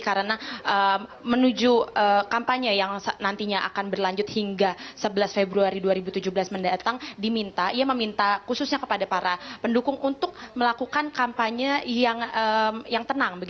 karena menuju kampanye yang nantinya akan berlanjut hingga sebelas februari dua ribu tujuh belas mendatang diminta ia meminta khususnya kepada para pendukung untuk melakukan kampanye yang tenang